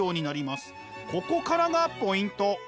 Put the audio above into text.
ここからがポイント。